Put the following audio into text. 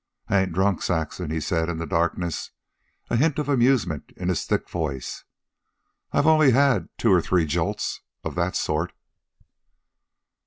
"I ain't drunk, Saxon," he said in the darkness, a hint of amusement in his thick voice. "I've only had two or three jolts ... of that sort."